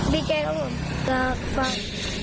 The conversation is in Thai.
ดีแก่คุณรักฟัง